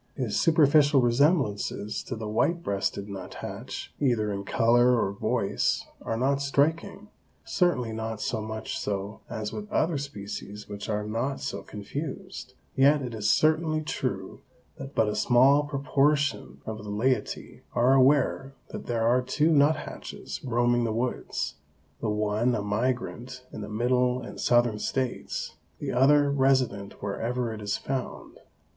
His superficial resemblances to the white breasted nuthatch, either in color or voice, are not striking, certainly not so much so as with other species which are not so confused, yet it is certainly true that but a small proportion of the laity are aware that there are two nuthatches roaming the woods, the one a migrant in the Middle and Southern States, the other resident wherever it is found.